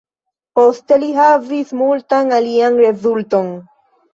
Poste li havis multan alian rezulton.